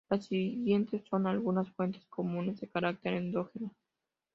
Las siguientes son algunas fuentes comunes de carácter endógeno.